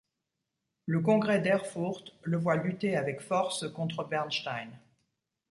Le Congrès d'Erfurt le voit lutter avec force contre Bernstein.